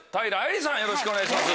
よろしくお願いします。